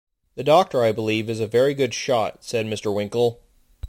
‘The doctor, I believe, is a very good shot,’ said Mr. Winkle.